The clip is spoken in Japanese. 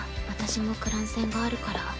私もクラン戦があるから。